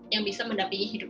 yang bisa mendampingi hidupnya